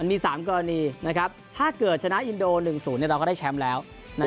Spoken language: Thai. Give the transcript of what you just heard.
มี๓กรณีถ้าเกิดชนะอินโด๑๐เราก็ได้แชมป์แล้ว